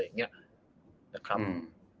นะครับ